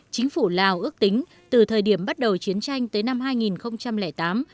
chính phủ lào ước tính từ thời điểm bắt đầu chiến tranh tới năm hai nghìn tám